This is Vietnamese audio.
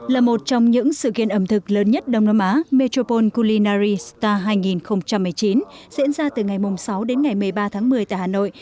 là một trong những sự kiện ẩm thực lớn nhất đông nam á metropole culinary star hai nghìn một mươi chín diễn ra từ ngày sáu đến ngày một mươi ba tháng một mươi tại hà nội